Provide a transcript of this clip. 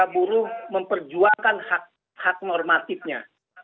para buruh memperjuangkan hak hak normatifnya